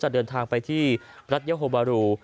เดินทางไปบัตต์ยาหวบบาลู